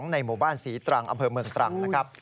ในหมู่บ้านศรีตรังอำเภอเมืองตรังนะครับ